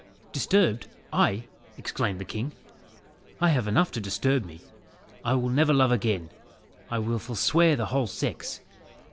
"Disturbed! ay!" exclaimed the king. "I have enough to disturb me. I will never love again. I will forswear the whole sex.